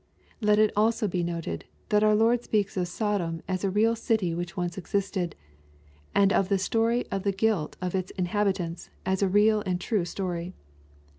Let it also be noted, that our Lord speaks of Sodom as a real city which once existed ; and of the story of the guilt of its in habitants, as a real and true story.